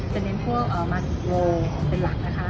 จะเน้นพวกมันโรเป็นหลักนะคะ